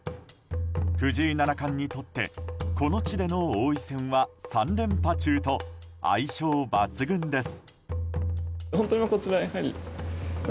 藤井七冠にとってこの地での王位戦は３連覇中と相性抜群です。